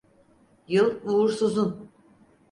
Yıl uğursuzun.